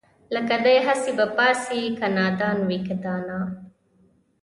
لکه دئ هسې به پاڅي که نادان وي که دانا